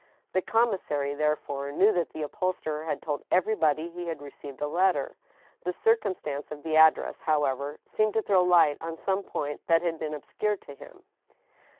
The commissary, therefore, knew that the upholsterer had told everybody he had received a letter. The circumstance of the ad dress, however, seemed to throw light on some point that had been obscure to him.